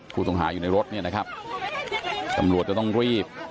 ผู้ต้องหาอยู่ในรถเนี่ยนะครับตำรวจจะต้องรีบ